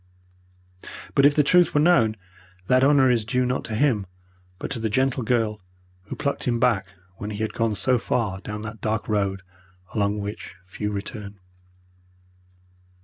But if the truth were known that honour is due not to him, but to the gentle girl who plucked him back when he had gone so far down that dark road along which few return.